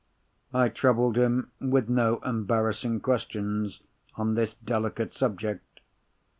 I troubled him with no embarrassing questions on this delicate subject.